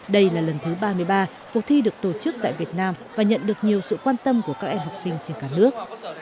đây là lần thứ ba mươi ba cuộc thi được tổ chức tại việt nam và nhận được nhiều sự quan tâm của các em học sinh trên cả nước